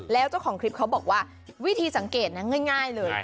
แล้วเจ้าของคลิปเขาบอกว่าวิธีสังเกตนะง่ายเลย